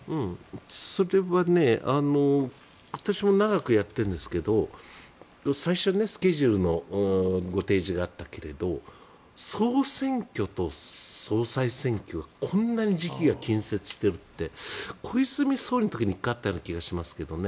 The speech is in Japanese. それは私も長くやっているんですけど最初にスケジュールのご提示があったけども総選挙と総裁選挙がこんなに時期が近接してるって小泉総理の時に１回あったような気がしますけどね。